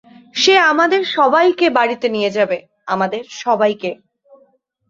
সে আমাদের সবাইকে বাড়িতে নিয়ে যাবে, আমাদের সবাইকে।